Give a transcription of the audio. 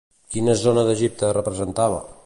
Quina zona d'Egipte representava?